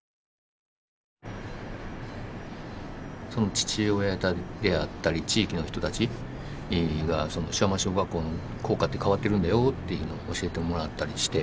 父親であったり地域の人たちが塩浜小学校の校歌って変わってるんだよっていうのを教えてもらったりして。